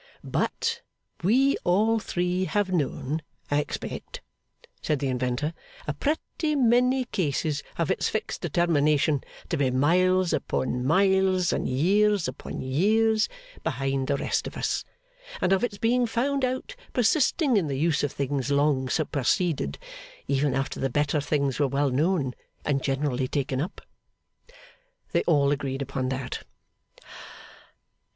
'But we all three have known, I expect,' said the inventor, 'a pretty many cases of its fixed determination to be miles upon miles, and years upon years, behind the rest of us; and of its being found out persisting in the use of things long superseded, even after the better things were well known and generally taken up?' They all agreed upon that.